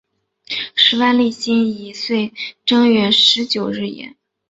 时万历辛己岁正月十九日也。